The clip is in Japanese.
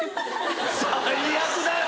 最悪だよ！